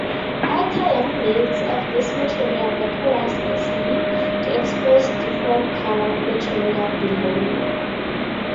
Outer laminates of this material vaporize easily to expose different colored material below.